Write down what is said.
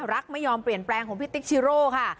รักไม่ยอมเปลี่ยนแปลงของพี่ติ๊กชิโร่ค่ะ